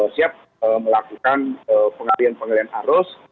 siap melakukan pengalian pengalian arus